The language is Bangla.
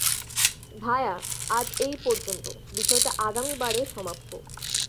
ভায়া, আজ এই পর্যন্ত, বিষয়টা আগামীবারে সমাপ্য।